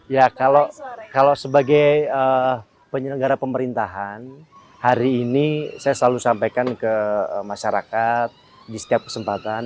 ya kalau sebagai penyelenggara pemerintahan hari ini saya selalu sampaikan ke masyarakat di setiap kesempatan